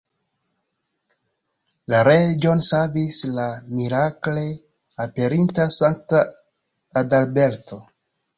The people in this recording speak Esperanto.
La reĝon savis la mirakle aperinta sankta Adalberto.